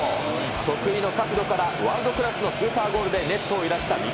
得意の角度からワールドクラスのスーパーゴールでネットを揺らした三笘。